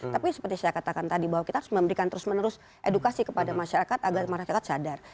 tapi seperti saya katakan tadi bahwa kita harus memberikan terus menerus edukasi kepada masyarakat agar masyarakat sadar